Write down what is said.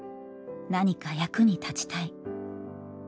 何か役に立ちたい。